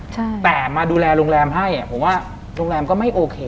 ใช่แต่มาดูแลโรงแรมให้อ่ะผมว่าโรงแรมก็ไม่โอเค